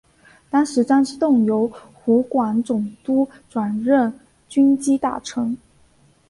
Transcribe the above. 当时张之洞由湖广总督转任军机大臣。